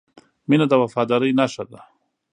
• مینه د وفادارۍ نښه ده.